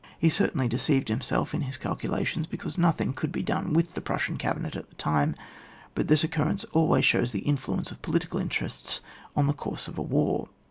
He certainly deceived himself in his calculations, because nothing could be done with the Prussian cabinet at that time, but this occurrence always shows the influence of political interests on the course of a war.